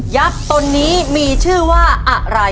ยักษ์ตนนี้มีชื่อว่าอะไร